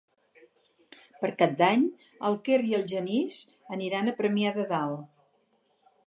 Per Cap d'Any en Quer i en Genís aniran a Premià de Dalt.